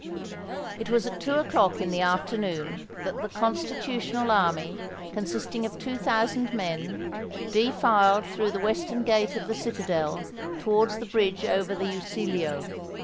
It was at two o'clock in the afternoon that the Constitutional army, consisting of two thousand men, defiled through the western gate of the citadel, towards the bridge over the Usiglio.